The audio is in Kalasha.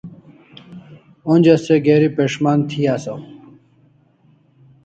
Onja se geri pes'man thi asaw